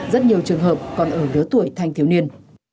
rất nhiều trường hợp còn ở lứa tuổi thanh thiếu niên